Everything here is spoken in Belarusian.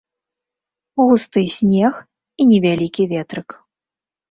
Густы снег і невялікі ветрык.